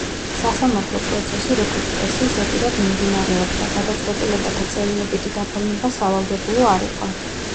სასამართლო პროცესი, როგორც წესი, ზეპირად მიმდინარეობდა, გადაწყვეტილებათა წერილობითი გაფორმება სავალდებულო არ იყო.